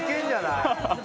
ハハハ。